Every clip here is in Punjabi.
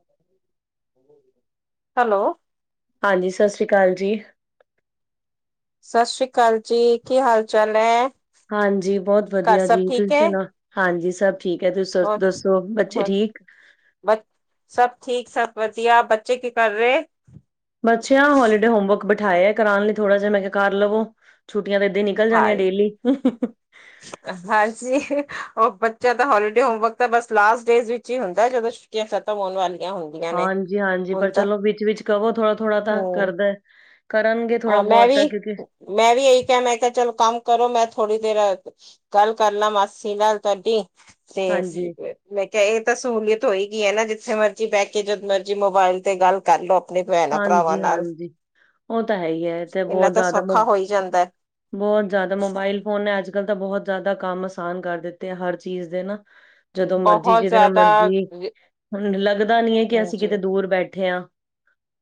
[inaudible] ਹੈਲੋ। ਹਾਂਜੀ ਸਸ ਸ਼੍ਰੀ ਅਕਾਲ ਜੀ। ਸਸ ਸ੍ਰੀ ਅਕਾਲ ਜੀ ਕੀ ਹਾਲ ਚਾਲ ਐ? ਹਾਂਜੀ ਬੋਤ ਵਧੀਆ ਜੀ ਤੁਸੀਂ ਸੁਣਾ ਹਾਂਜੀ ਸਭ ਠੀਕ ਐ ਤੁਸੀਂ ਸ ਹੋਰ ਦੱਸੋ ਬੱਚੇ ਹੋਰ ਠੀਕ। ਬ ਸਭ ਠੀਕ ਸਭ ਵਧੀਆ ਬੱਚੇ ਕੀ ਕਰ ਰੇ? ਬੱਚਿਆਂ ਨੂੰ ਹੋਲੀਡੇ ਹੋਮਵਰਕ ਬਿਠਾਐ ਕਰਾਣ ਲਈ ਥੋੜਾ ਜਾ ਮੈਂ ਕਿਆ ਕਰ ਲਵੋ ਛੁਟੀਆਂ ਤਾਂ ਏਦਾਂ ਈ ਨੀ ਨਿਕਲ ਜਾਣੀਆਂ ਹਾਲ ਡੇਲੀ ਹਾਂਜੀ ਓ ਬੱਚਿਆਂ ਦਾ ਹੋਲੀਡੇ ਹੋਮਵਰਕ ਤਾਂ ਬਸ ਲਾਸਟ ਡੇਜ ਵਿੱਚ ਈ ਹੁੰਦੈ ਜਦੋਂ ਛਟੀਆਂ ਖਤਮ ਹੋਣ ਵਾਲੀ ਹਾਂਜੀ-ਹਾਂਜੀ ਪਰ ਚਲੋ ਵਿੱਚ ਵਿਚ ਕਵੋ ਥੋੜਾ-ਥੋੜ੍ਹਾ ਤਾਂ ਹਮ ਕਰਦੈ। ਕਰਨਗੇ ਥੋੜਾ ਮੈਂ ਬੋਤ ਤਾ ਵੀ ਕਿਉਂਕਿ ਮੈਂ ਵੀ ਏਈ ਕਿਆ ਮੈਂ ਕਿਆ ਚਲੋ ਕੰਮ ਕਰੋ ਮੈਂ ਥੋੜ੍ਹੀ ਦੇਰ ਗੱਲ ਕਰਲਾ ਮਾਸੀ ਨਾਲ ਤੁਹਾਡੀ ਤੇ ਹਾਂਜੀ, [unintelligible] ਮੈਂ ਕਿਆ ਏ ਤਾਂ ਸਹੂਲੀਅਤ ਹੋਏਗੀ ਐ ਨਾ ਜਿੱਥੇ ਮਰਜ਼ੀ ਬੈ ਕੇ ਜਦ ਮਰਜ਼ੀ ਮੋਬਾਇਲ ਤੇ ਗੱਲ ਕਰਲੋ ਆਪਣੇ ਭੈਣਾਂ ਭਰਾਵਾਂ ਹਾਂਜੀ, ਨਾਲ ਹਾਂਜੀ ਉਹ ਤਾਂ ਹੈ ਹੀ ਹੈ ਇਨਾ ਤਾਂ ਸੌਖਾ ਹੋਈ ਜਾਂਦੈ। ਬੋਤ ਜਾਦਾ ਮੋਬਾਇਲ ਫੋਨ ਨੇ ਅੱਜ ਕੱਲ ਤਾਂ ਬੋਹਤ ਜਾਦਾ ਕੰਮ ਆਸਾਨ ਕਰ ਦਿੱਤੇ ਐ ਹਰ ਚੀਜ਼ ਦੇ ਨਾ। [inaudible] ਜਦੋਂ ਮਰਜੀ ਬਹੁਤ ਜਿਦੇ ਨਾਲ ਜ਼ਿਆਦਾ ਮਰਜੀ ਹੁਣ ਲੱਗਦਾ ਨੀ ਐ ਕੀ ਅਸੀਂ ਹਾਂਜੀ ਕਿਤੇ ਦੂਰ ਬੈਠੇ ਆ।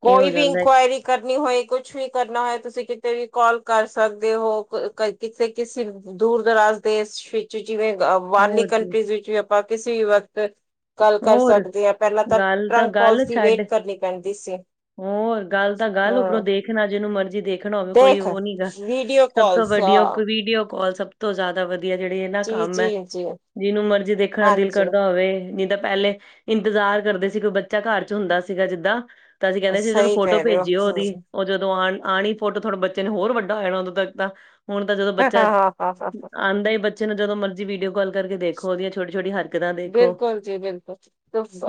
ਕੋਈ ਵੀ ਇੰਕੁਆਇਰੀ ਕਰਨੀ ਹੋਏ ਕੁਛ ਵੀ ਕਰਨਾ ਹੋਏ ਤੁਸੀਂ ਕਿਤੇ ਵੀ ਕੋਲ ਕਰ ਸਕਦੇ ਹੋ ਕ ਕ ਕਿਤੇ ਕਿਸੀ ਦੂਰ ਦਰਾਜ ਦੇਸ ਵਿੱਚ ਜਿਵੇਂ ਅ ਬਾਹਰਲੀ ਹੋਰ ਜੀ ਕੰਟਰੀਜ਼ ਵਿੱਚ ਵੀ ਆਪਾਂ ਕਿਸੀ ਵੀ ਵਕਤ ਕੱਲ ਕਰ ਹੋਰ ਸਕਦੇ ਆ ਪੈਲਾਂ ਤਾਂ ਗੱਲ ਟਰੰਕ ਗੱਲ ਕੋਲਸ ਦੀ ਛੱਡ ਵੇਟ ਕਰਨੀ ਪੈਂਦੀ ਸੀ। ਹੋਰ ਗੱਲ ਤਾਂ ਗੱਲ ਉੱਪਰੋਂ ਹਾਂ ਦੇਖਣਾ ਜਿਨੂੰ ਮਰਜ਼ੀ ਦੇ ਦੇਖਣਾ ਹੋਵੇ ਕੋਈ ਦੇਖ ਓ ਨੀ ਗਾ ਵੀਡੀਓ ਸਭ ਤੋਂ ਕਾਲਸ ਵੱਡੀਆ ਹਾਂ ਵੀਡੀਓ ਕੋਲ ਸਭ ਤੋਂ ਜਾਦਾ ਵ ਧੀਆ ਜੇੜਾ ਏਨਾ ਜੀ ਕੰਮ ਜੀ ਐ ਜੀ ਜਿਨੂੰ ਮਰਜੀ ਦੇਖਣਾ ਦਿਲ ਹਾਂਜੀ ਕਰਦਾ ਹੋਵੇ ਨਈ ਤਾਂ ਪਹਿਲੇ ਇੰਤਜ਼ਾਰ ਕਰਦੇ ਸੀ ਕੋਈ ਬੱਚਾ ਘਰ ਚ ਹੁੰਦਾ ਸੀਗਾ ਜਿੱਦਾਂ ਤਾਂ ਅਸੀਂ ਕੈਂਦੇ ਸੀ ਚਲੋ ਸਹੀ ਫੋਟੋ ਕਹਿ ਰਹੇ ਹੋ ਭੇਜੀਓ ਓਦੀ। ਓ ਜਦੋਂ ਆ ਆਣੀ ਫੋਟੋ ਥੋੜਾ ਬੱਚੇ ਨੇ ਹੋਰ ਵੱਡਾ ਹੋ ਜਾਣਾ ਓਦੋਂ ਤੱਕ ਤਾਂ ਹੁਣ ਤਾਂ ਜਦੋਂ ਹਾਂ ਬੱਚਾ ਹਾਂ ਹਾਂ ਹਾਂ ਆਂਦਾ ਈ ਬੱਚੇ ਨੂੰ ਜਦੋਂ ਮਰਜੀ ਵੀਡੀਓ ਕੋਲ ਕਰਕੇ ਦੇਖੋ ਓਦੀਆਂ ਛੋਟੀ ਛੋਟੀ ਹਰਕਤਾਂ ਦੇਖੋ ਬਿਲਕੁੱਲ ਜੀ ਬਿਲਕੁੱਲ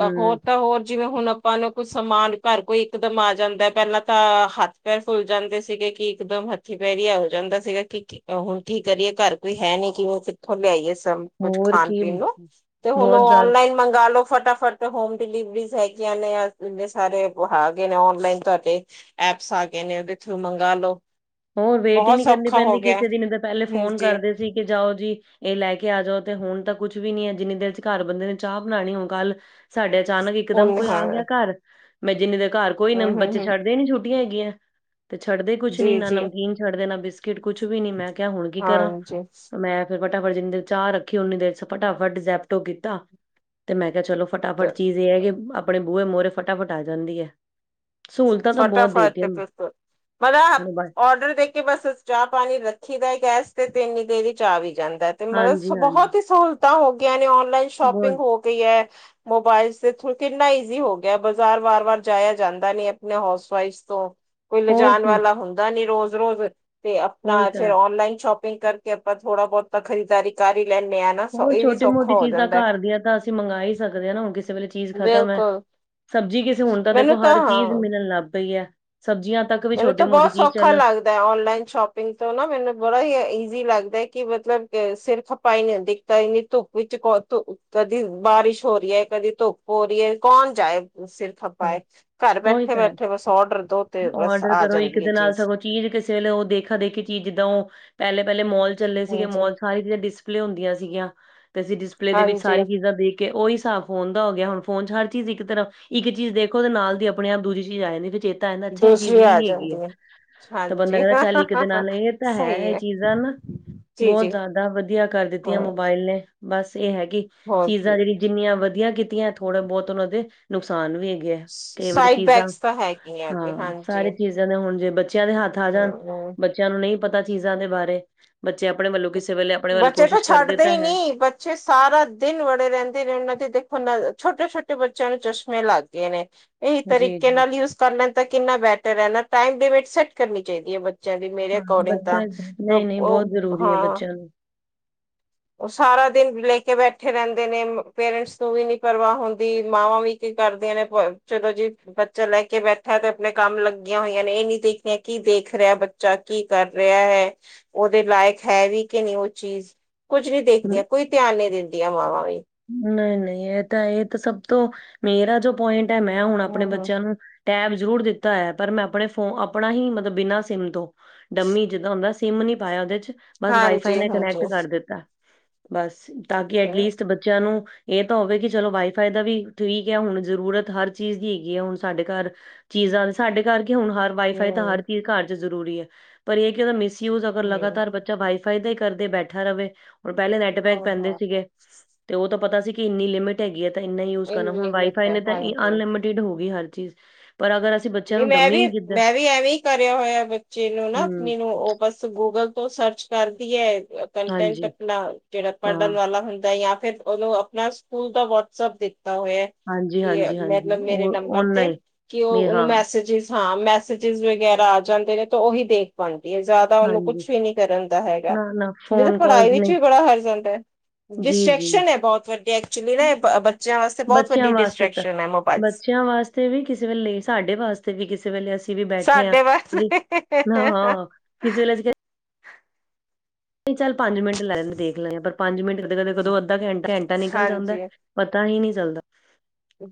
ਹੂੰ ਹੋਰ ਤਾਂ ਹੋਰ ਜਿਵੇਂ ਹੁਣ ਆਪਾਂ ਨੂੰ ਕੋਈ ਸਮਾਨ ਘਰ ਕੋਈ ਇਕਦਮ ਆ ਜਾਂਦੈ ਪੈਲਾਂ ਤਾਂ ਹੱਥ ਪੈਰ ਫੁੱਲ ਜਾਂਦੇ ਸੀਗੇ ਕੀ ਇਕਦਮ ਹੱਥੀ ਪੈਰੀ ਐ ਹੋ ਜਾਂਦਾ ਸੀਗਾ ਕਿ ਕੀ ਹੁਣ ਕੀ ਕਰੀਏ ਘਰ ਕੋਈ ਹੈ ਨੀ ਕਿਵੇਂ ਕਿੱਥੋਂ ਲਿਆਈਏ ਸਮ ਹੋਰ ਕੀ ਹੁਣ ਓ ਜ਼ਿਆਦਾ ਔਨਲਾਈਨ ਇਨ ਮੰਗਾ ਲੋ ਫਟਾਫਟ ਹੋਮ ਡਿਲੀਵਰੀਜ਼ ਹੈਗੀਆਂ ਨੇ ਜੇ ਸਾਰੇ ਹੈਗੇ ਨੇ ਔਨਲਾਈਨ ਤੁਹਾਡੇ। ਐਪਸ ਆ ਗਏ ਨੇ ਉਦੇ ਥਰੂ ਮੰਗਾਂਲੋ। ਹੋਰ ਵੇਟ ਈ ਨੀ ਕਰਨੀ ਪੈਂਦੀ ਕਿਸੇ ਦੀ ਤੇ ਪਹਿਲੇ ਹਮ, ਫੋਨ ਜੀ ਕਰਦੇ ਸੀ ਕੀ ਜਾਓ ਜੀ। ਇਹ ਲੈ ਕੇ ਆ ਜਾਓ ਤੇ ਹੁਣ ਤਾਂ ਕੁਛ ਵੀ ਨੀ ਹੈ ਜਿੰਨੀ ਦੇਰ 'ਚ ਘਰ ਬੰਦੇ ਨੇ ਚਾਹ ਬਣਾਣੀ ਹੁਣ ਕੱਲ੍ਹ ਸਾਡੇ ਅਚਾਨਕ ਇਕ ਦਮ ਉਹ ਕੋਈ ਹਾਂ ਆ ਗਿਆ ਘਰ ਮੈਂ ਜਿੰਨੀ ਦੇ ਘਰ ਕੋਈ ਨਾ ਹਮ ਹਮ ਬੱਚੇ ਹਮ ਛੱਡਦੇ ਹੀ ਨੀ ਛੋਟੀਆਂ ਹੈਗੀਆਂ। ਛੱਡਦੇ ਕੁਛ ਨੀ ਜੀ ਨਾ ਜੀ ਨਮਕੀਨ ਛੱਡਦੇ ਨਾ ਬਿਸਕਿਟ ਕੁਛ ਵੀ ਨੀ ਮੈਂ ਕਿਆ ਹੁਣ ਕੀ ਕਰਾਂ ਹਾਂਜੀ ਮੈਂ ਫਟਾਫਟ ਜਿੰਨੀ ਦੇਰ ਚਾਹ ਰੱਖੀ ਓਨੀ ਦੇਰ ਫਟਾਫਟ ਜੈਪਟੋ ਕੀਤਾ ਤੇ ਮੈਂ ਕਿਆ ਚਲੋ। ਫਟਾਫਟ ਚੀਜ਼ ਇਹ ਹੈ ਕਿ ਆਪਣੇ ਬੂਹੇ ਮੋਹਰੇ ਫਟਾਫਟ ਆ ਜਾਂਦੀ ਐ। ਫਟਾਫਟ ਤੇ ਪਰਾ ਮੋਬਾਇਲ ਔਡਰ ਦੇ ਕਿ ਬਸ ਚਾਹ ਪਾਣੀ ਰੱਖੀ ਦਾ ਗੈਸ ਤੇ-ਤੇ ਇੰਨੀ ਦੇਰ ਵਿੱਚ ਆ ਵੀ ਜਾਂਦਾ। ਹਾਂਜੀ, ਮਲਬ ਹਾਂਜੀ ਬਹੁਤ ਹੀ ਸਹੂਲਤਾਂ ਹੋ ਗਈਆਂ ਨੇ ਔਨਲਾਈਨ ਸ਼ੋਪਿੰਗ ਬਹੁਤ ਹੋ ਵੀ ਐ ਮੋਬਾਇਲ ਦੇ ਥਰੂ ਕਿੰਨਾ ਈਜ਼ੀ ਹੋ ਗਿਆ ਬਾਜ਼ਾਰ ਵਾਰ-ਵਾਰ ਜਾਇਆ ਜਾਂਦਾ ਨੀ ਐ। ਮੈਂ ਹਾਊਸ ਵਾਈਫ ਤੋਂ ਕੋਈ ਹੋਰ ਲਿਜਾਣ ਕੀ ਵਾਲਾ ਨਈ ਹੁੰਦਾ ਨੀ ਰੋਜ਼-ਰੋਜ਼ ਤੇ ਉਹੀ ਆਪਣਾ ਤਾਂ ਫਿਰ ਹੈ। ਔਨਲਾਈਨ ਸ਼ੋਪਿੰਗ ਕਰਕੇ ਆਪਾਂ ਥੋੜਾ ਬੋਤਾ ਖਰੀਦਦਾਰੀ ਕਰ ਹੀ ਲੈਂਣੇ ਆਂ। ਹੋਰ ਛੋਟੀ ਮੋਟੀ ਚੀਜ਼ਾਂ ਘਰ ਦੀਆਂ ਤਾਂ ਅਸੀਂ ਮੰਗਾਂ ਹੀ ਸਕਦੇ ਹਾਂ ਨਾ ਹੁਣ ਕਿਸੇ ਵੇਲੇ ਚੀਜ਼ ਖਤਮ ਹੈ। ਬਿਲਕੁਲ ਸਬਜ਼ੀ ਕਿਸੇ ਹੁਣ ਤਾਂ ਦੇਖੋ ਮੈਨੂੰ ਹਰ ਚੀਜ਼ ਹਾਂ ਮਿਲਣ ਲੱਗ ਪਈ ਹੈ ਸਬਜ਼ੀਆਂ ਤੱਕ ਵੀ ਮੈਨੂੰ ਤਾਂ ਛੋਟੀ-ਮੋਟੀ ਬੋਤ ਚੀਜ਼ ਸੌਖਾ ਚੱਲ ਲਗ ਔਨਲਾਈਨ ਸ਼ੋਪਿੰਗ ਤੋਂ ਨਾ ਮੈਨੂੰ ਬੜਾ ਈ ਈਜ਼ੀ ਲੱਗਦਾ ਹੈ ਕਿ ਮਤਲਬ ਸਿਰ ਖਾਪਾਈ ਨੀ ਹੁੰਦੀ। ਤਾਂ ਇੰਨੀ ਧੁੱਪ ਵਿੱਚ ਧੁ ਕਦੀ ਬਾਰਿਸ਼ ਹੋ ਰਈ ਐ ਕਦੀ ਧੁੱਪ ਹੋ ਰਈ ਐ ਕੌਣ ਜਾਏ। ਸਿਰ ਹਾਂ, ਖੱਪਏ ਘਰ ਉਹੀ ਤਾਂ ਹੈ। ਬੈਠੇ-ਬੈਠੇ ਬਸ ਔਡਰ ਦੋ ਤੇ ਬਸ ਆਰਡਰ ਆ ਕਰੋ ਇੱਕ ਜਾਂਦੀ ਹੈ ਦੇ ਨਾਲ ਚੀਜ਼ ਸਗੋਂ ਚੀਜ਼ ਕਿਸੇ ਵੇਲੇ ਉਹ ਦੇਖਾ-ਦੇਖੀ ਚੀਜ਼ ਜਿੱਦਾਂ ਓ ਪੈਲੇ-ਪੈਲੇ ਮੋਲ ਚੱਲੇ ਸੀਗੇ ਹਾਂਜੀ ਮੋਲ 'ਚ ਸਾਰੀ ਚੀਜ਼ਾਂ ਡਿਸਪਲੇ ਹੁੰਦੀਆਂ ਸੀਗੀਆਂ ਤੇ ਅਸੀਂ ਡਿਸਪਲੇ ਦੇ ਵਿੱਚ ਹਾਂਜੀ ਸਾਰੀ ਚੀਜ਼ਾਂ ਦੇਖ ਕੇ ਉਹੀ ਹਿਸਾਬ ਫੋਨ ਦਾ ਹੋ ਗਿਆ ਹੁਣ ਫੋਨ 'ਚ ਹਰ ਚੀਜ਼ ਇੱਕ ਤਰਫ ਇੱਕ ਚੀਜ਼ ਦੇਖੋ ਤੇ ਨਾਲ ਦੀ ਆਪਣੇ ਆਪ ਦੂਜੀ ਚੀਜ਼ ਆ ਜਾਂਦੀ ਵੀ ਚੇਤਾ ਆ ਜਾਂਦੀਏ ਵੀ ਚੇਤਾ ਆਣਾ ਅੱਛਾ ਇਹ ਦੂਸਰੀ ਚੀਜ਼ ਵੀ ਆ ਨੀ ਹੈਗੀ ਹੈ। ਜਾਂਦੀ ਤੇ ਬੰਦਾ ਹਾਂਜੀ ਕੈਂਦਾ ਚੱਲ ਇੱਕ ਦੇ ਨਾਲ ਇਹ ਤਾਂ ਹੈ ਇਹ ਚੀਜ਼ਾਂ ਨਾ ਜੀ ਬੋਤ ਜੀ ਜਾਦਾ ਵਧੀਆ ਕਰ ਦਿੱਤੀਆਂ ਹਾਂ ਮੋਬਾਇਲ ਨੇ ਬਸ ਇਹ ਹੈਗੀ ਕਿ ਹੋਰ ਚੀਜ਼ਾਂ ਕੀ ਜੇੜੀ ਜਿੰਨੀਆਂ ਵਧੀਆ ਕੀਤੀਆਂ ਥੋੜ੍ਹਾ ਬੋਤ ਉਹਨਾਂ ਦੇ ਨੁਕਸਾਨ ਵੀ ਹੈ। ਹੈਗੇ ਤੇ ਵਾਰੀ ਸਾਈਡ ਚੀਜ਼ਾਂ ਬੈਗਸ ਤਾਂ ਹੈਗੀਆਂ ਤੇ ਹਾਂ ਹਾਂਜੀ ਸਾਰੇ ਚੀਜ਼ ਦੇ ਹੁਣ ਜੇ ਬੱਚਿਆਂ ਦੇ ਹੱਥ ਆ ਜਾਣ ਹਮ, ਬੱਚਿਆਂ ਨੂੰ ਨਈ ਪਤਾ ਚੀਜ਼ਾਂ ਦੇ ਬਾਰੇ ਬੱਚੇ ਆਪਣੇ ਵੱਲੋਂ ਕਿਸੇ ਵੇਲੇ ਆਪਣੇ ਵੱਲ ਬੱਚੇ ਤਾਂ ਕੋਸ਼ਿਸ਼ ਕਰਦੇ ਛੱਡਦੇ ਤਾ ਹੀ ਹੈ। ਨਹੀਂ ਬੱਚੇ ਸਾਰਾ ਦਿਨ ਵੜੇ ਰੈਂਦੇ ਨੇ ਉਹਨਾਂ ਦੀ ਦੇਖੋ ਨਾ ਛੋਟੇ-ਛੋਟੇ ਬੱਚਿਆਂ ਨੂੰ ਚਸ਼ਮੇ ਲੱਗ ਗਏ ਨੇ। ਇਹੀ ਜੀ, ਤਰੀਕੇ ਜੀ। ਨਾਲ ਯੂਜ ਕਰ ਲੈਣ ਤਾਂ ਕਿੰਨਾ ਬੈਟਰ ਹੈ ਨਾ ਟਾਈਮ ਦੇ ਵਿੱਚ ਸੈਟ ਕਰਨੀ ਚਾਹੀਦੀ ਹੈ ਬਚ ਜਾਵੇ ਮੇਰੇ ਅਕੋਰਡਿੰਗ ਤਾਂ ਓ-ਓ ਵਧੀਆ ਬੱਚਿਆਂ ਨੂੰ ਓ ਸਾਰਾ ਦਿਨ ਲੈ ਕੇ ਬੈਠੇ ਰੈਂਦੇ ਨੇ ਮ ਪੇਰੈਂਟਸ ਨੂੰ ਵੀ ਨੀ ਪਰਵਾਹ ਹੁੰਦੀ ਮਾਵਾਂ ਵੀ ਕੀ ਕਰਦੀਆਂ ਨੇ ਬ ਚਲੋ ਜੀ। ਬੱਚਾ ਲੈ ਕੇ ਬੈਠਾ ਤੇ ਆਪਣੇ ਕੰਮ ਲੱਗੀਆਂ ਹੋਈਆਂ ਨੇ ਇਹ ਨੀ ਦੇਖਣੀਆਂ ਕੀ ਦੇਖ ਰਿਆ ਬਚ ਬੱਚਾ ਕੀ ਕਰ ਰਿਆ ਹੈ ਉਹਦੇ ਲਾਇਕ ਹੈ ਵੀ ਕਿ ਨਈ ਓ ਚੀਜ਼ ਕੁੱਝ ਨਈ ਦੇਖਦੀਆਂ ਕੋਈ ਧਿਆਨ ਨਈ ਦਿੰਦੀਆਂ ਮਾਵਾਂ ਵੀ ਨਈ-ਨਈ ਇਹ ਤਾਂ ਇਹ ਤਾਂ ਸਭ ਤੋਂ ਮੇਰਾ ਜੋ ਪੁਆਇੰਟ ਹੈ ਮੈਂ ਹੁਣ ਆਪਣੇ ਹਮ ਹਮ ਬੱਚਿਆਂ ਨੂੰ ਟੈਬ ਜ਼ਰੂਰ ਦਿੱਤਾ ਹੈ ਪਰ ਮੈਂ ਆਪਣੇ ਫੋਨ ਆਪਣਾ ਹੀ ਮਤਲਬ ਬਿਨਾਂ ਸਮ ਤੋਂ ਡੰਮੀ ਜਿੱਦਾਂ ਹੁੰਦਾ ਸਿਮ ਨੀ ਪਾਇਆ ਉਹਦੇ 'ਚ ਬਸ ਵਾਈਫਾਈ ਹਾਂਜੀ ਨੇ ਹਾਂਜੀ ਕਨੈਕਟ ਕਰ ਦਿੱਤਾ। ਬਸ ਤਾਂ ਕਿ ਐਟਲੀਸਟ ਬੱਚਿਆਂ ਨੂੰ ਇਹ ਤਾਂ ਹੋਵੇ ਕਿ ਚਲੋ ਵਾਈਫਾਈ ਦਾ ਵੀ ਠੀਕ ਹੈ ਹੁਣ ਜ਼ਰੂਰਤ ਹਰ ਚੀਜ਼ ਦੀ ਹੈਗੀ ਹੈ ਹੁਣ ਸਾਡੇ ਘਰ ਚੀਜ਼ਾਂ ਸਾਡੇ ਕਰਕੇ ਹੁਣ ਹਰ ਵਾਈਫਾਈ ਤਾਂ ਹਮ ਹਰ ਚੀਜ਼ ਘਰ 'ਚ ਜ਼ਰੂਰੀ ਹੈ, ਪਰ ਇਹ ਕਿ ਉਹਦਾ ਮਿਸਯੂਜ ਅਗਰ ਹਮ ਲਗਾਤਾਰ ਬ ਜਾ ਵਾਈ ਫਾਈ ਦਾ ਹੀ ਕਰਦੇ ਬੈਠਾ ਰਵੇ ਹੁਣ ਪੈਲੇ ਨੈਟਪੈਕ ਹਾਂ ਪੈਂਦੇ ਹਾਂ ਸੀਗੇ। ਤੇ ਓ ਤਾਂ ਪਤਾ ਸੀ ਕਿ ਇੰਨੀ ਲਿਮਿਟ ਹੈਗੀ ਹੈ ਤਾਂ ਇੰਨਾ ਹੀ ਯੂਜ ਕਰਨਾ ਹੁਣ ਇੰਗਲਿਸ਼ ਵਾਈਫਾਈ ਵਿੱਚ ਨੇ ਤੇ ਹਾਂਜੀ ਅਨਲਮਿਟ ਡਿਜੀ਼ਟਲ ਹੋ ਗਈ ਹਰ ਚੀਜ਼ ਪਰ ਅਗਰ ਅਸੀਂ ਬੱਚਿਆਂ ਨਹੀਂ ਨੂੰ ਮੈਂ ਡੰਮੀ ਵੀ ਜਿੱਦਾਂ ਮੈਂ ਵੀ ਐਵੇਂ ਹੀ ਕਰਿਆ ਹੋਇਆ ਬੱਚੇ ਨੂੰ ਨਾ ਆਪਣੇ ਹੂੰ ਨੂੰ ਨਾ ਉਹ ਬਸ ਗੂਗਲ ਤੋਂ ਸਰਚ ਕਰਦੀ ਹੈ। ਕੰਨਟੈਂਟ ਹਾਂਜੀ ਆਪਣਾ ਜਿਹੜਾ ਹਾਂ ਪੜਨ ਵਾਲਾਂ ਹੁੰਦਾਂ ਜਾਂ ਫਿਰ ਉਹਨੂੰ ਆਪਣਾਂ ਸਕੂਲ ਦਾ ਵਟਸਐਂਪ ਦਿੱਤਾ ਹੋਇਆ ਹਾਂਜੀ, ਕੀ ਇਹ ਹਾਂਜੀ, ਹਾਂਜੀ ਮਤਲਬ ਮੇਰੇ ਉਹ ਨੰਬਰ ਓਨਾ ਤੇ ਹੀ ਕਿ ਉਹ ਵੀ ਹਾਂ ਮੈਸੇਜਸ ਹਾਂ ਮੈਸੇਜਸ ਵਗੈਰਾ ਆ ਜਾਂਦੇ ਨੇ ਤਾਂ ਉਹੀ ਦੇਖ ਬਣਦੀ ਹੈ, ਜ਼ਿਆਦਾ ਉਹਨੂੰ ਹਾਂਜੀ। ਕੁਛ ਵੀ ਨੀ ਕਰਨ ਦਾ ਹੈਗਾ। ਨਾ-ਨਾ ਨਹੀਂ ਤਾਂ ਫੋਨ ਪੜ੍ਹਾਈ ਕਾਲਸ ਵਿੱਚ ਨਹੀਂ ਵੀ ਬੜਾ ਹਰਜਾਂਦਾ ਹੈ। ਜੀ-ਜੀ ਡਿਸਟਰੈਕਸ਼ਨ ਹੈ, ਬਹੁਤ ਵੱਡੀ ਐਕਚੁਅਲੀ ਨਾ ਬੱਚਿਆਂ ਵਾਸਤੇ ਬਹੁਤ ਬੱਚਿਆਂ ਵੱਡੀ ਡਿਸਟਰੈਕਸ਼ਨ ਹੈ, ਮੋਬਾਇਲ। ਤੇ ਵੀ ਕਿਸੇ ਵੇਲੇ ਸਾਡੇ ਵਾਸਤੇ ਵੀ ਕਿਸੇ ਵੇਲੇ ਅਸੀਂ ਅਸੀਂ ਵੀ ਬੈਠੇ ਹਾਂ ਸਾਡੇ ਬਸ ਨਾਂ ਕਿਸ ਵੇਲੇ ਅਸੀ ਨਹੀਂ ਚੱਲ ਪੰਜ ਮਿੰਟ ਲੈ ਲਦੇ ਦੇਖ ਲੈ ਪਰ ਪੰਜ ਮਿੰਟ ਕਰਦੇ ਕਰਦੇ ਕਦੋਂ ਅੱਧਾ ਘੰਟਾ ਘੰਟਾ ਨਿਕਲ ਜਾਂਦਾ। ਹਾਂਜੀ ਪਤਾ ਹੀ ਨਹੀਂ ਚੱਲਦਾ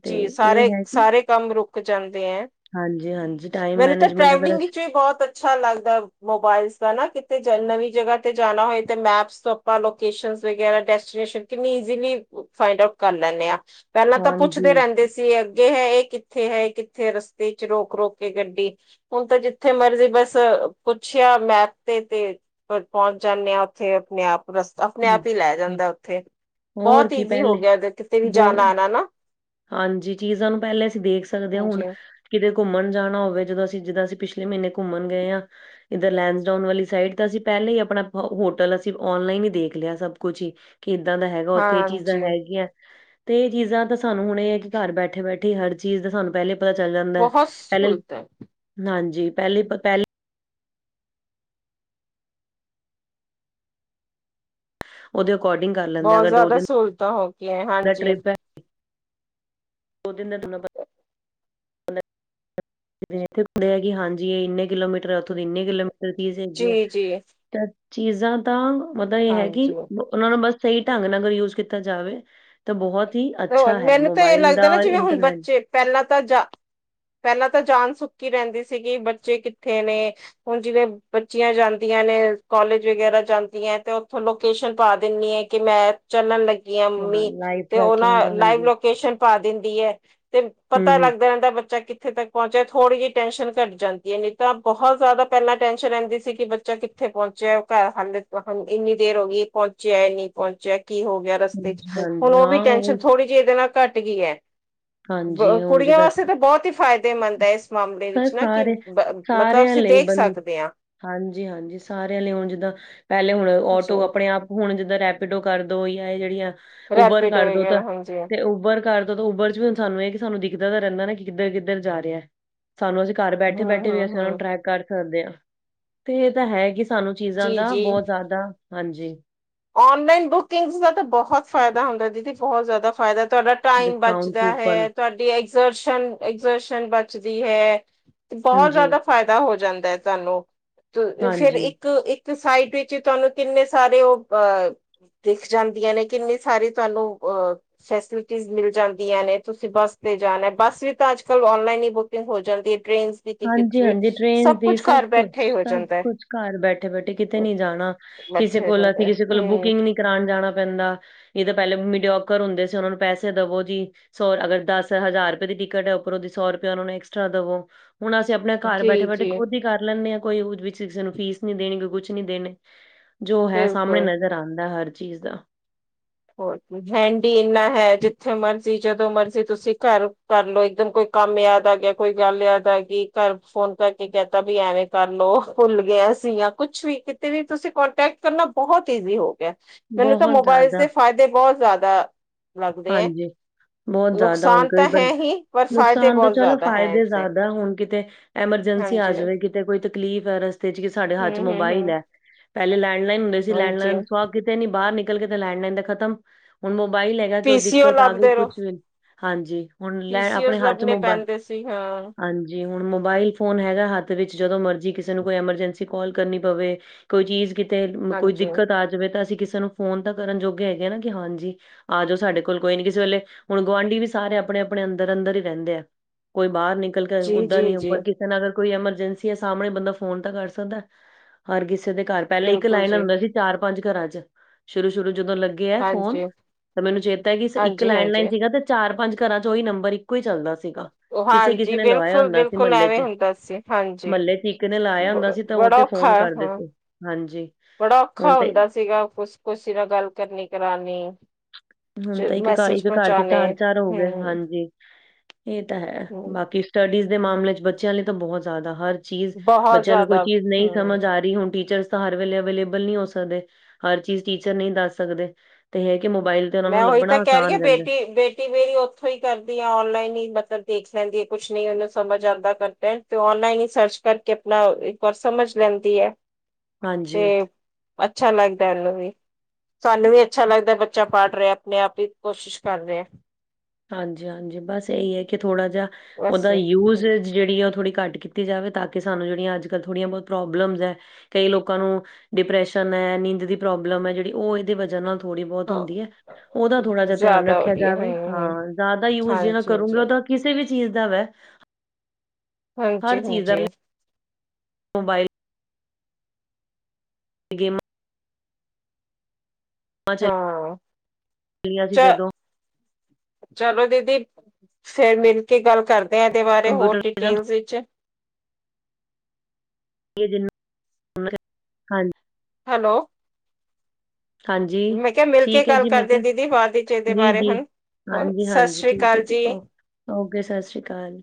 ਤੇ ਜੀ ਇਹ ਸਾਰੇ ਹੈ ਕਿ ਸਾਰੇ ਕੰਮ ਰੁਕ ਜਾਂਦੇ ਹੈ। ਹਾਂਜੀ-ਹਾਂਜੀ ਟਾਈਮ ਮੈਨੂੰ ਤਾਂ ਮੈਨੇਜਮੈਂਟ ਅਗਰ ਟ੍ਰੈਵਲਿੰਗ ਅਸੀਂ- ਵਿੱਚ ਵੀ ਬਹੁਤ ਅ ਅੱਛਾ ਲੱਗਦਾ ਮੋਬਾਇਲਜ ਦਾ ਨਾ ਕਿਤੇ ਨਵੀਂ ਜਗ੍ਹਾ ਤੇ ਜਾਣਾ ਹੋਏ ਤੇ ਮੈਪਸ ਆਪਾ ਲੋਕੇਸ਼ਨ ਵਗੈਰਾ ਡੈਸਟੀਨੇਸ਼ਨ ਕਿੰਨੀ ਈਜੀਲੀ ਫਾਈਡ ਆਊਟ ਕਰ ਲੈਦੇ ਆ ਪਹਿਲਾਂ ਤਾਂ ਪੁੱਛਦੇ ਹਾਂਜੀ ਰਹਿੰਦੇ ਸੀ ਅੱਗੇ ਹੈ, ਇਹ ਕਿੱਥੇ ਹੈ, ਇਹ ਕਿੱਥੇ ਰਸਤੇ ਚ ਰੋਕ ਰੋਕ ਕੇ ਗੱਡੀ। ਹੁਣ ਤਾਂ ਜਿੱਥੇ ਮਰਜ਼ੀ ਬਸ ਪੁੱਛਿਆ ਮੈਪ ਤੇ ਤੇ ਪਹੁੰਚ ਜਾਂਦੇ ਹਾਂ ਉੱਥੇ ਆਪਣੇ ਆਪ ਰਸਤਾ ਆਪਣੇ ਹਮ, ਆਪ ਹੀ, ਲੈ ਹਮ, ਜਾਂਦਾ ਉੱਥੇ ਹੋਰ ਬਹੁਤ ਕੀ ਈਜ਼ੀ ਹੋ ਪਹਿਲੇ ਗਿਆ ਕਿਤੇ ਵੀ ਬਹੁ ਜਾਣਾ ਆਣਾ ਨਾ ਹਾਂਜੀ ਚੀਜ਼ਾਂ ਨੂੰ ਪਹਿਲੇ ਅਸੀਂ ਦੇਖ ਸਕਦੇ ਹਾਂ ਹੁਣ ਕਿਤੇ ਘੁੰਮਣ ਜਾਣਾ ਹੋਵੇ ਜਦੋਂ ਅਸੀਂ ਜਿੱਦਾਂ ਅਸੀਂ ਪਿਛਲੇ ਮਹੀਨੇ ਘੁੰਮਣ ਗਏ ਹਾਂ ਇੱਧਰ ਲੈਂਡਹੋਨ ਵਾਲੀ ਸਾਈਡ ਤਾਂ ਅਸੀਂ ਪਹਿਲਾਂ ਹੀ ਆਪਣਾ ਹੋਟਲ ਅਸੀਂ ਔਨਲਾਈਨ ਹੀ ਦੇਖ ਦੇਖਲਿਆਂ ਸਭ ਕੁਛ ਹੀ ਕਿੱਦਾਂ ਦਾਂ ਹੈਂਗਾ ਉੱਥੇ ਇਹ ਚੀਜ਼ਾਂ ਹੈਗੀਆਂ ਤੇ ਇਹ ਚੀਜ਼ਾਂ ਤਾਂ ਸਾਨੂੰ ਹੁਣ ਇਹ ਹੈ ਕਿ ਘਰ ਬੈਠੇ ਬੈਠੇ ਹਰ ਚੀਜ਼ ਦਾ ਸਾਨੂੰ ਪਹਿਲੇ ਪਤਾ ਚੱਲ ਜਾਂਦਾ ਪਹਿਲੇ ਹਾਂਜੀ ਪਹਿਲੀ ਪਹਿਲੇ ਉਹਦੇ ਅਕੋਰਡਿੰਗ ਕਰ ਲੈਂਦਾ ਬਹੁਤ ਅਗਰ ਦੋ ਜ਼ਿਆਦਾ ਦਿਨ ਸਹੂਲਤਾਂ ਹੋ, ਗਈਆਂ ਦਾ ਹਾਂਜੀ। ਟ੍ਰਿਪ ਹੈ ਦੋ ਤਿੰਨ ਦਿਨ ਇਥੇ ਹੁੰਦੇ ਆ ਹੈ, ਕਿ ਹਾਂਜੀ ਇਹ ਇੰਨੇ ਕਿਲੋਮੀਟਰ ਹੈ, ਉੱਥੋਂ ਦੀ ਇੰਨੇ ਕਿਲੋਮੀਟਰ ਚੀਜ਼ ਹੈਗੀ ਹੈ। ਜੀ ਜੀ ਚੀਜ਼ਾਂ ਤਾਂ ਮਤਲਬ ਇਹ ਹੈ ਕਿ ਹਾਂਜੀ ਉਹਨਾਂ ਨੂੰ ਬਸ ਸਹੀਂ ਢੰਗ ਨਾਲ ਅਗਰ ਯੂਜ ਕੀਤਾ ਜਾਵੇ। ਤਾਂ ਬਹੁਤ ਹੀ ਅੱਛਾ ਹੈ ਮੈਨੂੰ ਤਾਂ ਇਹ ਮੋਬਾਈਲ ਲੱਗਦਾ ਦਾ ਨਾ ਜਿਵੇਂ ਹੁਣ ਇੰਟਰਨੈਟ। ਬੱਚੇ ਪਹਿਲਾਂ ਤਾਂ ਜਾਂ ਪਹਿਲਾਂ ਤਾਂ ਜਾਨ ਸੁੱਕੀ ਰਹਿੰਦੀਂ ਸੀਗੀ ਕਿ ਬੱਚੇ ਕਿੱਥੇ ਨੇ? ਹੁਣ ਜਿਵੇਂ, ਬੱਚੀਆਂ ਜਾਂਦੀਆਂ ਨੇ ਕਾਲੋਜ ਵਗੈਂਰਾ ਜਾਂਦੀਆਂ ਤੇ ਉੱਥੋਂ ਲੋਕੇਸ਼ਨ ਪਾ ਦਿੰਦੀ ਆਂ ਕਿ ਮੈਂ ਚੱਲਣ ਲੱਗੀ ਆ ਹਾਂ ਮੰਮੀ ਲਾਈਵ ਤੇ ਉਹ ਟਰੈਕਿੰਗ ਦਾ ਲਾਈਵ ਹਾਂਜੀ ਲੋਕੇਸ਼ਨ ਪਾ ਦਿੰਦੀ ਹੈ। ਤੇ ਹੂੰ ਪਤਾ ਹੂੰ ਲੱਗਦਾ ਰਹਿੰਦਾ ਬੱਚਾ ਕਿਥੇ ਤੱਕ ਪਹੁੰਚਿਆ ਥੋੜ੍ਹੀ ਜਿਹੀ ਟੈਨਸ਼ਨ ਘੱਟ ਜਾਂਦੀ ਹੈ। ਨਹੀਂ ਤਾਂ ਬਹੁਤ ਜ਼ਿਆਦਾ ਪਹਿਲਾਂ ਟੈਸ਼ਨ ਰਹਿੰਦੀ ਸੀ ਕਿ ਬੱਚਾ ਕਿਥ ਕਿਥੇ ਪਹੁੰਚਿਆ ਘਰ ਹਾਲੇ ਇੰਨੀ ਦੇਰ ਹੋ ਗਈ, ਪਹੁੰਚਿਆ ਨਹੀਂ ਪਹੁੰਚਿਆ ਕੀ ਹੋ ਗਿਆ। ਰਸਤੇ ਚ ਹਾਂਜੀ ਹੁਣ ਹਾਂਜੀ ਉਹ ਵੀ ਹਾਂ ਟੈਨਸ਼ਨ ਉਹ ਥੋੜੀ ਜਿਹੀ ਇਹਦੇ ਨਾਲ ਘੱਟ ਗਈ ਹੈ। ਹਾਂਜੀ ਹੁਣ ਕੁੜੀਆਂ ਜਿੱਦਾਂ ਵਾਸਤੇ ਤਾਂ ਬਹੁਤ ਹੀ ਫਾਇਦੇਮੰਦ ਹੈ। ਇਸ ਮਾਮਲੇ ਸਰ ਵਿੱਚ ਨਾ ਕਿ ਸਾਰੇ ਮਤਲਬ ਅਸੀਂ ਦੇਖ ਸਕਦੇ ਹਾਂ। ਹਾਂਜੀ ਹਾਂਜੀ ਸਾਰਿਆਂ ਲਈ ਹੁਣ ਜਿੱਦਾਂ ਪਹਿਲੇ ਹੁਣ ਔਟੋ ਆਪਣੇ ਆਪ ਹੁਣ ਜਿੱਦਾਂ ਰੈਪੀਡੋ ਕਰ ਦੋ ਜਾਂ ਇਹ ਜਿਹੜੀਆਂ ਉਬਰ ਰੈਪੀਡੋ ਕਰ ਦੋ ਤਾਂ ਵਗੈਰਾ ਹਾਂਜੀ ਤੇ ਉਬਰ ਕਰ ਉਬਰ ਚ ਵੀ ਸਾਨੂੰ ਇਹ ਹੈ, ਕਿ ਸਾਨੂੰ ਦਿਖਦਾ ਤਾਂ ਰਹਿੰਦਾ ਨਾ ਕਿੱਧਰ- ਕਿੱਧਰ ਜਾਂ ਰਿਹਾ। ਸਾਨੂੰ ਅਸੀਂ ਘਰ ਬੈਠੇ, - ਹੂੰ ਬੈਠੇ ਵੀ ਹੂੰ ਅਸੀਂ ਉਹ ਨੂੰ ਹੂੰ ਟਰੈਕ ਕਰ ਸਕਦੇ ਆ ਤੇ ਇਹ ਤਾਂ ਹੈ ਕਿ ਸਾਨੂੰ ਚੀਜ਼ਾਂ ਜੀ ਦਾ ਜੀ ਬੋਹਤ ਜ਼ਾਦਾ ਹਾਂਜੀ ਔਨਲਾਈਨ ਬੁਕਿੰਗ ਦਾ ਤਾਂ ਬੋਹਤ ਫਾਇਦਾ ਹੁੰਦਾ ਦੀਦੀ ਬਹੁਤ ਜ਼ਾਦਾ ਫਾਇਦਾ ਤੁਆਡਾ ਟਾਈਮ ਡਿਸਕਾਊਂਟ ਬਚਦਾ ਕੂਪਨ, ਹੈ, ਤੁਹਾਡੇ ਐਗਰ ਐਗਜ਼ਰਸ਼ਨ ਬਚਦੀ ਹੈ ਤੇ ਬੋਹਤ ਹਾਂਜੀ, ਜ਼ਾਦਾ ਫਾਇਦਾ ਹੋ ਜਾਂਦਾ ਐ ਤੁਹਾਨੂੰ, ਫੇਰ ਹਾਂਜੀ। ਇੱਕ- ਇੱਕ ਤੇ ਸਾਈਟ ਵਿੱਚ ਤਾਨੂੰ ਕਿੰਨੇ ਸਾਰੇ ਉਹ ਦਿਖ ਜਾਂਦੀਆਂ ਨੇ, ਕਿੰਨੀ ਸਾਰੀ ਤਾਨੂੰ ਅਹ ਫੈਸਿਲਿਟੀ ਮਿਲ ਜਾਂਦੀਆਂ ਨੇ, ਤੁਸੀਂ ਬੱਸ ਤੇ ਜਾਣਾ ਬੱਸ ਵੀ ਤਾਂ ਅੱਜ ਕਲ ਅੋਨਲਾਈਨ ਈ ਬੁਕ ਕਿੰਗ ਹੋ ਜਾਂਦੀ ਏ ਟ੍ਰੇਨ ਦੀ ਟਿਕਟ ਵੀ ਹਾਂਜੀ-ਹਾਂਜੀ ਟ੍ਰੇਨਸ ਸਭ ਦੀ ਕੁੱਛ ਕੱਰ ਕੁਛ, ਬੈਠੇ ਹੋ ਸਭ ਜਾਂਦਾ ਐ। ਕੁਛ ਘਰ ਬੈਠੇ-ਬੈਠੇ ਕਿਤੇ ਨੀ ਜਾਣਾ। ਕਿਸੇ ਮਛਰ ਕੋਲ ਜਾਂਦਾ ਅਸੀਂ ਐ। ਕਿਸੇ ਬੁਕਿੰਗ ਨੀ ਕਰਾਉਣ ਜਾਣਾ ਪੈਂਦਾ ਇਹ ਤਾਂ ਪਹਿਲੇ ਮੀਡੀਓਕਰ ਹੁੰਦੇ ਸੀ ਉਹਨਾ ਨੂੰ ਪੈਸੇ ਦਵੋ ਜੀ। ਸੌ ਅਗਰ ਦਸ ਹਜ਼ਾਰ ਰੁਪਏ ਦੀ ਟਿਕਟ ਏ ਉਪਰੋਂ ਦੀ ਸੌ ਰੁਪਏ ਉਹਨਾ ਨੂੰ ਐਕਸਟਰਾ ਦਵੋ। ਹੁਣ ਅਸੀਂ ਆਪਣੇ ਕਰੱ ਬੈਠੇ- ਜੀ ਬੈਠੇ ਜੀ ਖੁਦ ਈ ਕਰ ਲੈਂਨੇ ਆ ਕੋਈ ਉਹ ਵਿੱਚ ਕਿਸੇ ਨੂੰ ਫੀਸ ਨੀ ਦੇਣੀ ਕੋਈ ਕੁਛ ਨੀ ਦੇਣੇ। ਜੋ ਹੈ ਸਾਹਮਣੇ ਬਿਲਕੁਲ ਨਜ਼ਰ ਆਂਦਾ ਹਰ ਚੀਜ਼ ਦਾ। ਹੋਰ ਹੈਂਡੀ ਇੰਨਾ ਹੈ ਜਿੱਥੇ ਮਰਜ਼ੀ ਜਦੋਂ ਮਰਜ਼ੀ ਤੁਸੀਂ ਕਰ ਕਰਲੋ ਇੱਕਦਮ ਕੋਈ ਕੰਮ ਯਾਦ ਆ ਗਿਆ ਕੋਈ ਗੱਲ ਯਾਦ ਆ ਗਈ ਕਰ ਫੋਨ ਕਰਕੇ ਕਹਿਤਾ ਵੀ ਐਵੇਂ ਕਰ ਲੋ ਭੁਲ ਗਿਆ ਸੀਗਾ। ਕੁਛ ਵੀ, ਕਿਤੇ ਵੀ ਤੁਸੀਂ ਕੋਂਟੈਕਟ ਕਰਨਾ ਬੋਹਤ ਈਜ਼ੀ ਹੋ ਗਿਆ। ਮੈਨੂੰ ਤਾਂ ਬਹੁਤ ਮੋਬਾਇਲ ਜ਼ਿਆਦਾ ਦੇ ਫਾਏਦੇ ਬੋਹਤ ਜ਼ਾਦਾ ਲਗਦੇ ਐ। ਬੋਹਤ ਜ਼ਾਦਾ ਹੁਣ ਕੋਈ ਬੰ ਫਾਇਦੇ ਨੁਕਸਾਨ ਤਾਂ ਬਹੁਤ ਚਲੋ ਜ਼ਿਆਦਾ ਹੈ ਫ਼ਾਇਦੇ ਇਸਦੇ ਜ਼ਾਦਾ ਹੁਣ ਕਿਤੇ ਐਮਰਜੈਂਸੀ ਆ ਹਾਂਜੀ ਜਵੇੈਗੀ ਤੇ ਕੋਈ ਤਕਲੀਫ਼ ਏ ਰਸਤੇ ਚ ਕਿ ਸਾਡੇ ਹੱਥ ਚ ਹਮ ਹਮ ਮੋਬਾਈਲ ਹਮ ਹੈ ਪਹਿਲੇ ਲੈਂਡਲਾਈਨ ਹੁੰਦੇ ਸੀ ਹਾਂਜੀ ਲੈਂਡਲਾਈਨ ਸੁ ਕਿਤੇ ਨੀ ਬਾੱਰ ਨਿਕਲ ਕੇ ਤੇ ਲੈਂਡਲਾਈਨ ਦਾ ਖ਼ਤਮ, ਹੁਣ ਮੋਬਾਈਲ ਹੈਗਾ ਪੀ ਕੋਈ ਸੀ ਓ ਦਿੱਕਤ ਆ ਗਈ ਲੱਭਦੇ ਰਹੋ ਕੁਛ ਹਾਂਜੀ ਹੁਣ ਪੀ ਲੈਣ ਸੀ ਓ ਆਪਣੇ ਹੱਥ ਚ ਲੱਭਣੇ ਮੋਬਾ, ਪੈਂਦੇ ਸੀ ਹਾਂ ਹਾਂਜੀ ਜੀ ਹੁਣ ਮੋਬਾਇਲ ਫੋਨ ਹੈਗਾ ਹੱਥ ਵਿੱਚ ਜਦੋਂ ਮਰਜੀ ਕਿਸੇ ਨੂੰ ਕੋਈ ਐਮਰਜੈਂਸੀ ਕਾਲ ਕਰਨੀ ਪਵੇ। ਕੋਈ ਚੀਜ਼ ਤੇ ਕੋਈ ਹਾਂਜੀ ਦਿੱਕਤ ਆ ਜਾਵੇ ਤਾਂ ਅਸੀਂ ਕਿਸੇ ਨੂੰ ਫੋਨ ਤਾਂ ਕਰਨ ਜੋਗੇ ਹੈਗੇ ਨਾ ਕਿ ਹਾਂਜੀ ਆ ਜੋ ਸਾਡੇ ਬਿਲਕੁਲ ਕੋਈ ਨੀ ਕਿਸੇ ਵੇਲੇ ਹੁਣ ਗੁਆਂਢੀ ਵੀ ਸਾਰੇ ਆਪਣੇ- ਆਪਣੇ ਅੰਦਰ- ਅੰਦਰ ਈ ਰਹਿੰਦੇ ਆ, ਕੋਈ ਬਾਹਰ ਨੀ ਜੀ ਉੱਦਾਂ ਜੀ ਨਹੀਂ ਜੀ ੳੱਪਰ ਕਿਸ ਅਗਰ ਕੋਈ ਐਮਰਜੈਂਸੀ ਏ ਸਾਹਮਣੇ ਬੰਦਾ ਫੋਨ ਤਾਂ ਕਰ ਸਕਦਾ, ਹਰ ਕਿਸੇ ਦੇ ਘਰ ਪਹਿਲੇ ਇੱਕ ਬਿਲਕੁਲ ਲਾਈਨ ਲੈਂਡ ਜੀ ਹੁੰਦਾ ਸੀ ਚਾਰ- ਪੰਜ ਘਰਾਂ ਚ, ਸ਼ੁਰੂ- ਸ਼ੁਰੂ ਜਦੋਂ ਲੱਗੇ ਏ ਫੋਨ ਹਾਂਜੀ ਤਾਂ ਮੈਨੂੰ ਚੇਤਾ ਹੈ ਇੱਕ ਹਾਂਜੀ ਲੈਂਡਲਾਈਨ ਹਾਂਜੀ ਸੀਗਾ ਤੇ ਚਾਰ- ਪੰਜ ਘਰਾਂ ਚ ਉਹੀ ਨੰਬਰ ਇੱਕੋ ਹੀ ਚੱਲਦਾ ਸੀਗਾ। ਉਹ ਕਿਸੇ- ਕਿਸੇ ਹਾਂਜੀ ਨੇ ਲਵਾਇਆ ਬਿਲਕੁਲ ਹੁੰਦਾ ਸੀ ਬਿਲਕੁਲ ਮਹੱਲੇ ਐਵੇਂ ਚ, ਹੁੰਦਾ ਸੀ ਹਾਂਜੀ ਮਹੱਲੇ ਚ ਈਕ ਨੇ ਲਾਇਆ ਬ ਹੁੰਦਾ ਸੀ ਤਾਂ ਉਹ ਬੜਾ ਤੇ ਔਖਾ ਫੋਨ ਕਰ ਦੇ ਹਾਂ ਹਾਂਜੀ ਬੜਾ ਔਖਾ ਹੁਣ ਤੇ ਹੁੰਦਾ ਸੀਗਾ ਖੁਸ਼ਕੁਸ਼ੀ ਨਾਲ ਗੱਲ ਕਰਨੀ ਕਰਾਨੀ। ਹੁਣ ਤਾਂ ਇੱਕ ਘਰੱ- ਇੱਕ ਘਰ ਚ ਚਾਰ- ਚਾਰ ਹੋ ਗੇ, ਹਮ ਹਾਂਜੀ ਇਹ ਤਾਂ ਹੈ, ਹਮ ਬਾਕੀ ਸਟੱਡੀਜ਼ ਦੇ ਮਾਮਲੇ ਚ ਬੱਚਿਆਂ ਲਈ ਤਾਂ ਬੋਹਤ ਜ਼ਾੱਦਾ ਹਰ ਚੀਜ਼ ਬਹੁਤ ਬੱਚਿਆਂ ਨੂੰ ਕੋਈ ਜ਼ਿਆਦਾ ਚੀਜ਼ ਨੀ ਹਮ ਸਮਝ ਆ ਰਈ ਹੁਣ ਟੀਚਰ ਹਰ ਵੇਲੇ ਅਵੇਲੇਬਲ ਨੀਂ ਹੋ ਸਕਦੇ, ਹਰ ਚੀਜ਼ ਟੀਚਰ ਨੀਂ ਦੱਸ ਸਕਦੇ, ਤੇ ਹੈ ਕਿ ਮੋਬਾਇਲ ਮੈਂ ਉਹੀ ਤਾਂ ਕਹਿ ਰੀ ਆ ਬੇਟੀ- ਬੇਟੀ ਟੀਵੀ ਦੁ ਉੱਥੋਂ ਈ ਕਰਦੀ ਆ ਔਨਲਾਈਨ ਹੀ ਮਤਲਬ ਦੇਖ ਲੈਂਦੀ ਹੈ ਕੁਛ ਨਹੀਂ ਉਹਨੂੰ ਸਮਝ ਆਂਦਾ ਘਰ ਪੈ। ਤੇ ਔਨਲਾਈਨ ਈ ਸਰਚ ਕਰਕੇ ਅਪਣਾ ਇੱਕ ਵਾਰ ਸਮਝ ਲੈਂਦੀ ਐ ਤੇ ਹਾਂਜੀ ਅੱਛਾ ਲੱਗਦੈ ਏਨੂੰ ਵੀ ਸਾਨੂੰ ਵੀ ਅੱਛਾ ਲੱਗਦਾ ਬੱਚ ਚ ਪਾਟ ਰੇਆ ਅਪਣੇ ਆਪ ਈ ਕੋਸ਼ਿਸ਼ ਕਰ ਰਿਆ ਹਾਂਜੀ-ਹਾਂਜੀ ਬਸ ਏਈ ਏ ਕਿ ਥੋੜਾ ਜਾ ਬਸ ਵਦਾਈ ਯੂਜ ਜੇੜੀ ਆ ਔ ਥੋੜ੍ਹੀ ਕੱਟ ਕੀਟੀ ਜਾਵੇ ਤਾਂ ਕਿ ਸਾਨੂੰ ਜੇਹੜੀਆਂ ਅੱਜੱ -ਕਲ੍ਹ ਥੋੜੀਆਂ ਬੋਤ ਪ੍ਰੋਬਲਮਜ਼ ਹੈ ਕਈ ਲੋਕਾਂ ਨੂੰ ਡਿਪ੍ਰੈਸ਼ਨ ਐ, ਨੀਂਦ ਦੀ ਪ੍ਰੋਬਲਮ ਐ ਜੇਹੜੀ ਔ ਐਦੀ ਵਜ੍ਹਾ ਨਾਲ ਥੋੜ੍ਹੀ ਬੋਤ ਹੋਲ ਹਾਂ ਦੀ ਏ ਔਦਾ ਥੋੜ੍ਹਾ ਜਾ ਤਿਆਨ ਜ਼ਿਆਦਾ ਰੱਖਿਆ ਵਧੀਆ ਜਾਵੇ ਹਮ ਹਮ ਹਾਂ ਜਾਦਾ ਯੂਜ ਜਿਨਾ ਹਾਂਜੀ ਕਰੂੰਗੇ ਹਾਂਜੀ ਔ ਤਾਂ ਕਿਸੇ ਵੀ ਚੀਜ਼ ਦਾ ਵੈ ਹਰ ਚੀਜ਼ ਦਾ ਹਾਂਜੀ-ਹਾਂਜੀ। ਮੋਬਾਈਲ ਗੇਮਅ- ਹਾਂ, ਚੱਲੀਆਂ ਸੀ ਚ ਜਦੋਂ ਚਲੋ ਦੀਦੀ, ਫੇਰ ਮਿਲ ਕੇ ਗੱਲ ਕਰਦੇ ਆ ਏਦੇ ਬਾਰੇ ਹੋਰ ਕੰਪਿਊਟਰ ਜਿੰਨਾ। ਡਿਟੇਲਸ ਵਿਚ ਇਹ ਦਿਨ [unintelligible] ਹਾਂ ਹੈਲੋ। ਹਾਂਜੀ, ਮੈਂ ਕਿਹਾ ਮਿਲ ਕੇ ਠੀਕ ਐ ਗੱਲ ਜੀ ਮੈਂ ਕਰਦੇ ਕਿਆ। ਦੀਦੀ ਬਾਅਦ ਵਿੱਚ ਇਹਦੇ ਵੀਰ ਬਾਰੇ ਜੀ। ਹੁਣ ਹੋਰ ਸਤਿ ਹਾਂਜੀ-ਹਾਂਜੀ ਸ੍ਰੀ ਠੀਕ ਏ ਅਕਾਲ ਜੀ, ਔ ਔਕੇ ਸਸ੍ਰੀਕਾਲ।